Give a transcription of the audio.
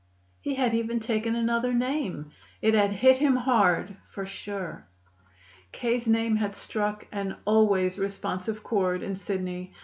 He had even taken another name. It had hit him hard, for sure. K.'s name had struck an always responsive chord in Sidney.